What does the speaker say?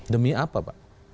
demi apa pak